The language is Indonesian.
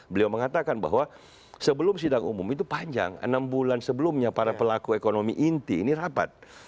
beliau mengatakan bahwa sebelum sidang umum itu panjang enam bulan sebelumnya para pelaku ekonomi inti ini rapat